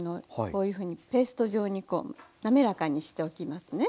こういうふうにペースト状にこう滑らかにしておきますね。